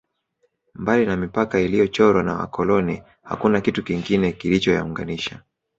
Mbali na mipaka iliyochorwa na wakoloni hakuna kitu kingine kilichoyaunganisha